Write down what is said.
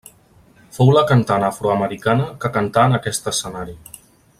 Fou la cantant afro-americana que cantà en aquest escenari.